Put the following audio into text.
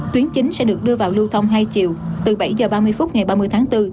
tuyến chính sẽ được đưa vào lưu thông hai chiều từ bảy h ba mươi phút ngày ba mươi tháng bốn